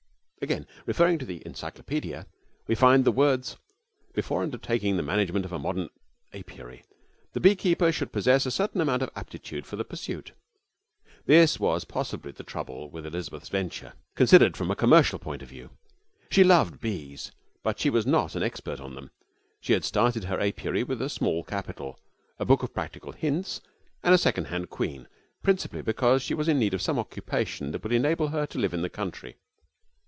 Again referring to the 'Encyclopaedia,' we find the words: 'Before undertaking the management of a modern apiary, the beekeeper should possess a certain amount of aptitude for the pursuit.' This was possibly the trouble with Elizabeth's venture, considered from a commercial point of view. She loved bees, but she was not an expert on them. She had started her apiary with a small capital, a book of practical hints, and a second hand queen, principally because she was in need of some occupation that would enable her to live in the country.